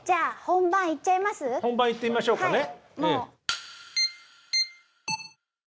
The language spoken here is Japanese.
本番いってみましょうかね。